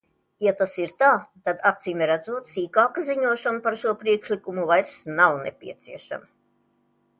Ja tas ir tā, tad acīmredzot sīkāka ziņošana par šo priekšlikumu vairs nav nepieciešama.